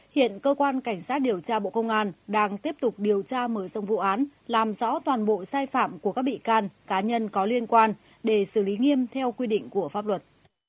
hiện cơ quan cảnh sát điều tra bộ công an đang tiếp tục điều tra mở rộng vụ án làm rõ toàn bộ sai phạm của các bị can cá nhân có liên quan để xử lý nghiêm theo quy định của pháp luật